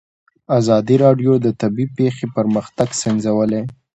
ازادي راډیو د طبیعي پېښې پرمختګ سنجولی.